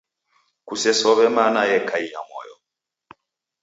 Kusesow'e mana yekaia moyo.